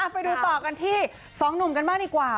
ไปดูต่อกันที่๒หนุ่มกันมากี๊กว่า